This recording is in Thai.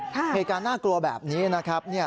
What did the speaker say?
เหตุการณ์น่ากลัวแบบนี้นะครับ